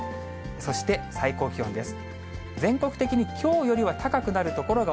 そして最高気温です。